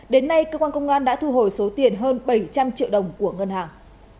đến nay cơ quan công an đã thu hồi số tiền hơn bảy trăm linh triệu đồng của ngân hàng